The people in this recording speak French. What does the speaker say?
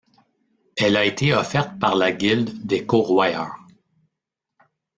Elle a été offerte par la gilde des corroyeurs.